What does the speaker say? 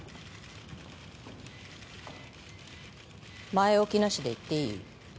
前置きなしでいっていい？